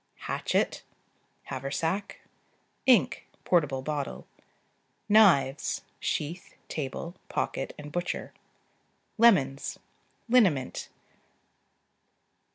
Hatchet. Haversack. Ink (portable bottle). Knives (sheath, table, pocket and butcher.) Lemons. Liniment.